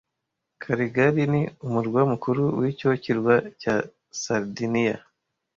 Caligari ni umurwa mukuru w'icyo kirwa cya Sardiniya